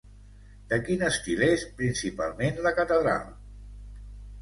De quin estil és principalment la catedral?